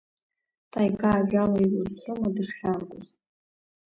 Таигаа, ажәала иузҳәозма, дышхьааргоз.